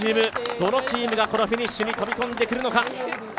どのチームがフィニッシュに飛び込んでくるのか。